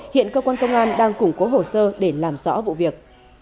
hiện cơ quan công an đang củng cố hồ sơ để làm rõ vụ việc